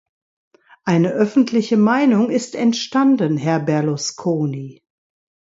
Eine öffentliche Meinung ist entstanden, Herr Berlusconi.